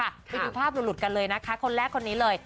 ไปดูภาพหลุดกันเลยนะคะคนแรกคนนี้เลย